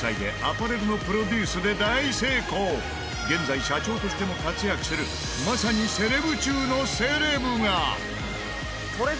現在社長としても活躍するまさにセレブ中のセレブが。